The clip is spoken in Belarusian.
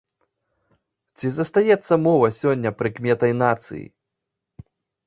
Ці застаецца мова сёння прыкметай нацыі?